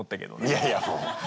いやいやもう。